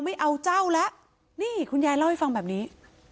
นี่คุณยายเล่าให้ฟังแบบนี้